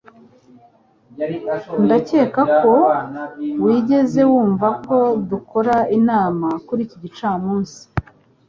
Ndakeka ko wigeze wumva ko dukora inama kuri iki gicamunsi